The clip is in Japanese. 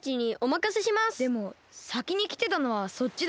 でもさきにきてたのはそっちだし。